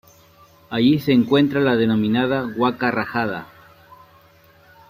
Allí se encuentra la denominada Huaca Rajada.